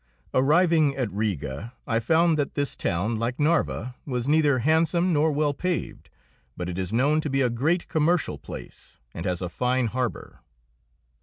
Arriving at Riga, I found that this town, like Narva, was neither handsome nor well paved, but it is known to be a great commercial place and has a fine harbour.